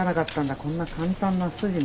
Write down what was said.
こんな簡単な筋に。